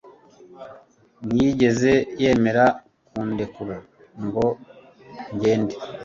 ntiyigeze yemera kundekura ngo njyende